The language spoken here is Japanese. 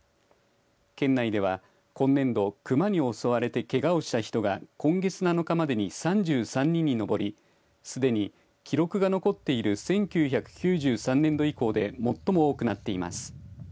県内では今年度クマに襲われてけがをした人が今月７日までに３３人に上りすでに記録が残っている１９９３年度以降で最も多くなっています。